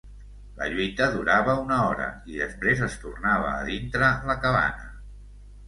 La lluita durava una hora i després es tornava a dintre la cabana.